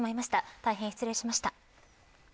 大変、失礼しました。